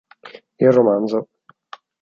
Il Romanzo".